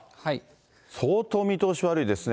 相当見通し悪いですね。